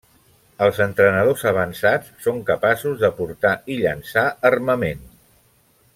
Els entrenadors avançats són capaços de portar i llançar armament.